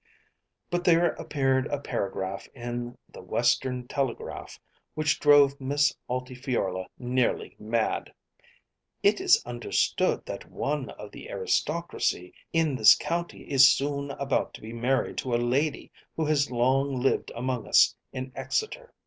But there appeared a paragraph in the "Western Telegraph" which drove Miss Altifiorla nearly mad: "It is understood that one of the aristocracy in this county is soon about to be married to a lady who has long lived among us in Exeter.